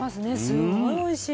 すごいおいしい。